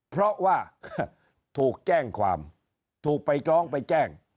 เพราะว่าถูกแจ้งความถูกไปร้องไปแจ้ง